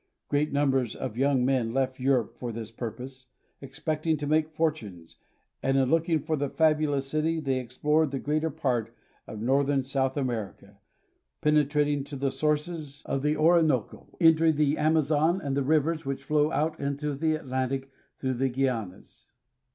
Great numbers of young men left Europe for this purpose, expecting to make fortunes, and in look ing for the fabulous city they explored the greater part of northern South America, penetrating to the sources of the Orinoco, entering the Amazon and the rivers which flow out into the Atlantic through the Guianas.